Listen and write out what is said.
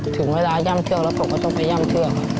ถึงเวลาย่ำเชือกแล้วผมก็ต้องไปย่ำเชือกครับ